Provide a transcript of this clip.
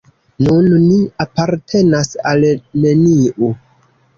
Nun ni apartenas al neniu.